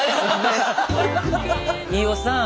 飯尾さん。